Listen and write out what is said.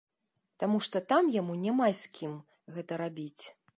Таму што там яму няма з кім гэта рабіць.